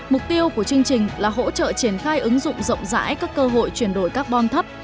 mục tiêu của chương trình là hỗ trợ triển khai ứng dụng rộng rãi các cơ hội chuyển đổi carbon thấp